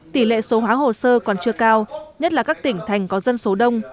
tỷ lệ số hóa hồ sơ còn chưa cao nhất là các tỉnh thành có dân số đông